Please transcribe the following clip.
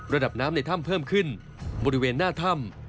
ระดับน้ำในถ้ำเพิ่มขึ้นบริเวณหน้าถ้ำ